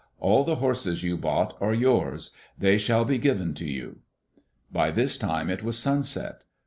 All the horses you bought are yours. They shall be given to you.*' By this time it was sunset.